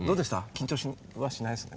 緊張はしないですね